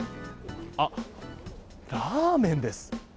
あっ、ラーメンです。